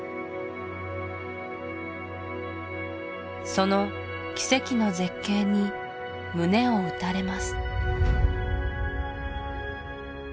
その奇跡の絶景に胸を打たれます